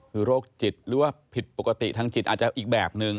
คือโรคจิตหรือว่าผิดปกติทางจิตอาจจะอีกแบบนึง